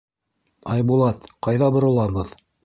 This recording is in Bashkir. — Айбулат, ҡайҙа боролабыҙ.